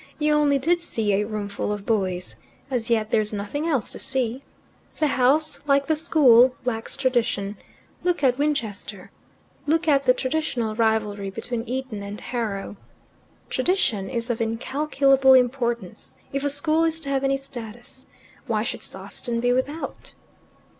You only did see a roomful of boys. As yet there's nothing else to see. The house, like the school, lacks tradition. Look at Winchester. Look at the traditional rivalry between Eton and Harrow. Tradition is of incalculable importance, if a school is to have any status. Why should Sawston be without?"